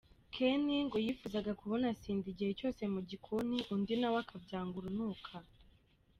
Ken ngo yifuzaga kubona Cindy igihe cyose mu gikoni, undi na we akabyanga urunuka.